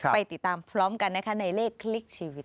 ไปติดตามพร้อมกันนะคะในเลขคลิกชีวิต